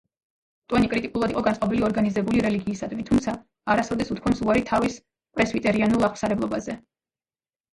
ტვენი კრიტიკულად იყო განწყობილი ორგანიზებული რელიგიისადმი, თუმცა არასოდეს უთქვამს უარი თავის პრესვიტერიანულ აღმსარებლობაზე.